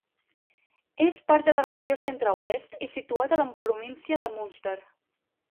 És part de la Regió Centre-Oest i situat a la província de Munster.